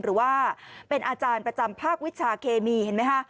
หรือว่าเป็นอาจารย์ประจำภาควิชาเคมีเห็นไหมคะ